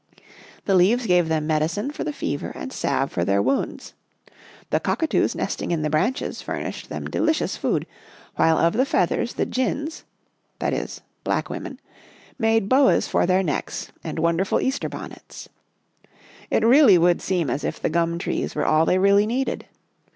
The leaves gave them medicine for the fever and salve for their wounds. The cockatoos nesting in the branches furnished them delicious food, while of the feathers the gins * made boas for their necks and wonderful Easter bonnets. It really would seem as if the gum trees were all they really needed.